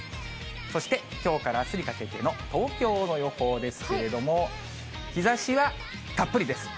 そしてきょうからあすにかけての東京の予報ですけれども、日ざしはたっぷりです。